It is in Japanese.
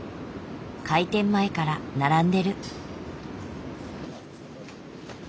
開店前から並んでる。